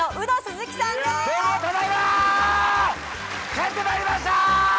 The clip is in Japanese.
帰ってまいりました！